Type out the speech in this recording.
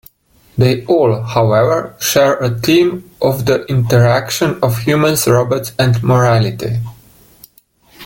They all, however, share a theme of the interaction of humans, robots, and morality.